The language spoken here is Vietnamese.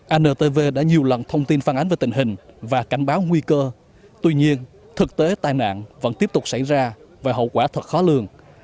antv đã nhiều lần thông tin phản ánh về tình hình và cảnh báo nguy cơ tuy nhiên thực tế tai nạn vẫn tiếp tục xảy ra và hậu quả thật khó lường